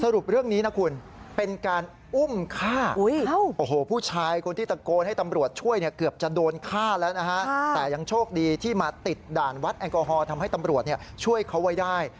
วัดแอลกอฮอล์ทำให้ตำรวจช่วยเขาไว้ได้